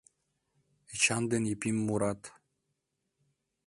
Эчан ден Епим мурат: